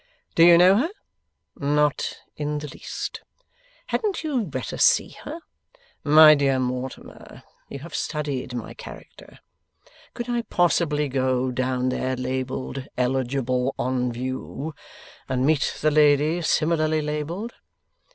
'Do you know her?' 'Not in the least.' 'Hadn't you better see her?' 'My dear Mortimer, you have studied my character. Could I possibly go down there, labelled "ELIGIBLE. ON VIEW," and meet the lady, similarly labelled?